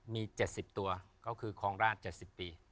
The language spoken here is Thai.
มี๗๐ตัวก็คือครองราช๗๐ปี